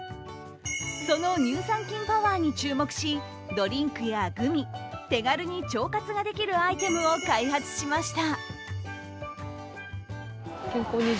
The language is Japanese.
その乳酸菌パワーに注目し、ドリンクやグミ、手軽に腸活ができるアイテムを開発しました。